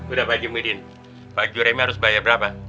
udah pak haji muhyiddin pak juremi harus bayar berapa